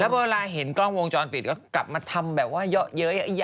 เวลาเห็นกล้องวงจรปิดก็กลับมาทำแบบว่าเยอะ